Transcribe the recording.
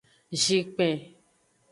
Zinkpen.